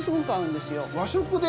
和食で？